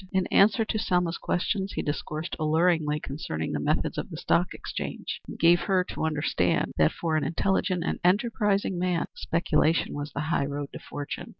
In answer to Selma's questions he discoursed alluringly concerning the methods of the Stock Exchange, and gave her to understand that for an intelligent and enterprising man speculation was the high road to fortune.